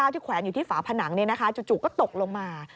แขวนอยู่ที่ฝาผนังจู่ก็ตกลงมา